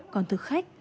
còn thực khách